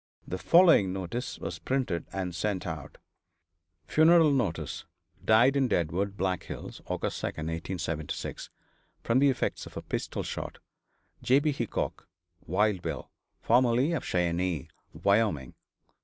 The following notice was printed and sent out: "FUNERAL NOTICE. Died in Deadwood, Black Hills, Aug. 2, 1876, from the effects of a pistol shot, J. B. Hickok (Wild Bill,) formerly of Cheyenne, Wyoming.